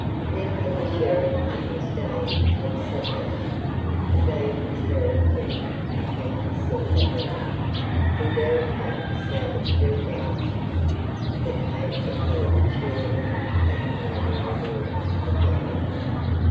Then when the Sheriff and his dame had sat down, he bade his herald wind upon his silver horn; who thereupon sounded three blasts that came echoing cheerily back from the gray walls of Nottingham.